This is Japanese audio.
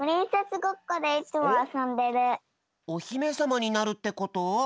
おひめさまになるってこと？